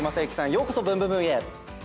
ようこそ『ブンブブーン！』へ。